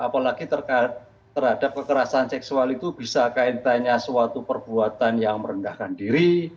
apalagi terhadap kekerasan seksual itu bisa kaitannya suatu perbuatan yang merendahkan diri